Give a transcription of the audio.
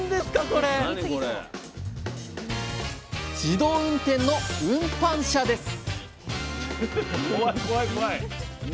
自動運転の運搬車です！